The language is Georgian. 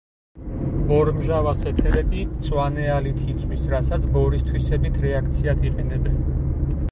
ბორმჟავას ეთერები მწვანე ალით იწვის, რასაც ბორის თვისებით რეაქციად იყენებენ.